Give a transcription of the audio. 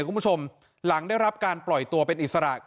คุณผู้ชมหลังได้รับการปล่อยตัวเป็นอิสระ